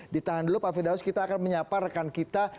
di tahan delu pak firdaus kita akan menyapa rekan kita